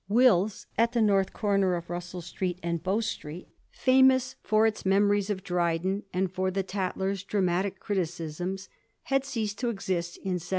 Will's, at the north comer of Russell Street and Bow Street, famous for its memories of Dryden and for the * Tatler's ' dramatic criticisms, had ceased to exist in 1714.